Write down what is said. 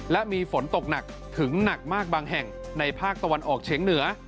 และมีฝนตกหนักถึงหนักมากบางแห่งในภาคตะวันออกเฉียงเหนือ